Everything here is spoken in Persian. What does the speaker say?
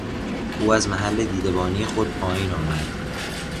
او از محل دیدبانی خود پایین آمد.